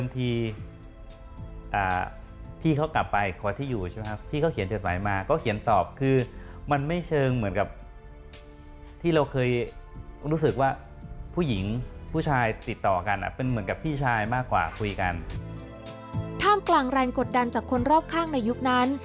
ท่ามกลางแรงกดดันจากคนรอบข้างในยุคนั้น